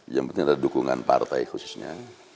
yang penting ada dukungan partai khususnya